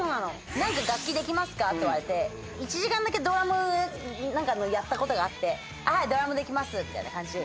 「何か楽器できますか？」って言われて１時間だけドラムやったことがあってドラムできますみたいな感じで。